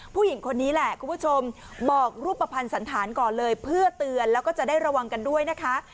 ผู้หญิงคนนี้แหละคุณผู้ชมบอกรูปภัณฑ์สันธารก่อนเลยเพื่อเตือนแล้วก็จะได้ระวังกันด้วยนะคะ